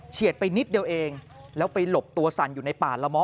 ไปนิดเดียวเองแล้วไปหลบตัวสั่นอยู่ในป่าละม้อ